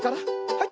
はい。